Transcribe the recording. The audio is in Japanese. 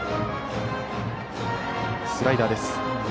スライダーです。